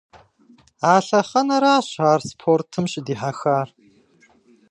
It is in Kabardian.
А лъэхъэнэращ ар спортым щыдихьэхар.